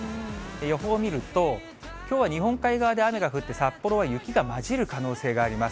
予報を見るときょうは日本海側で雨が降って、札幌は雪が混じる可能性があります。